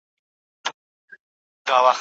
دا له تا سره پیوند یم چي له ځانه بېګانه یم